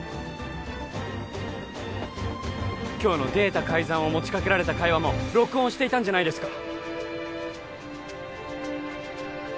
今日のデータ改ざんを持ちかけられた会話も録音していたんじゃないですか？